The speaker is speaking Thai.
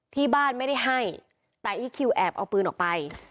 ที่บ้านไม่ได้ให้แต่อีคคิวแอบเอาปืนออกไป